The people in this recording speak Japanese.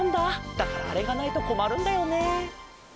だからあれがないとこまるんだよね。